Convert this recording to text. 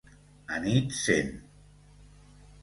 Anit sent